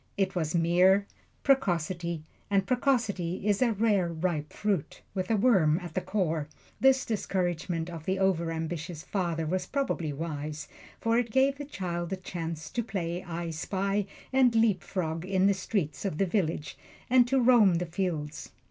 It was mere precocity, and precocity is a rareripe fruit, with a worm at the core. This discouragement of the over ambitious father was probably wise, for it gave the boy a chance to play I Spy and leapfrog in the streets of the village, and to roam the fields.